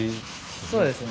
そうですね。